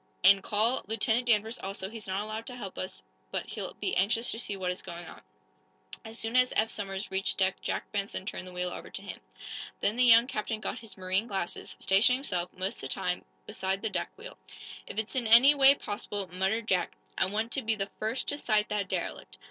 And call Lieutenant Danvers, also. He's not allowed to help us, but he'll be anxious to see what is going on." As soon as Eph Somers reached deck Jack Benson turned the wheel over to him. Then the young captain got his marine glasses, stationing himself, most of the time, beside the deck wheel. "If it's in any way possible," muttered Jack, "I want to be the first to sight that derelict.